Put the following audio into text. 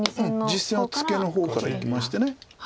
実戦はツケの方からいきまして。